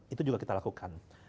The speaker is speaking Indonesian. itu juga kita lakukan